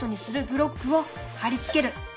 ブロックを貼り付ける。